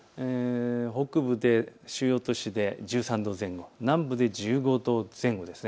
北部、主要都市で１３度前後、南部で１５度前後です。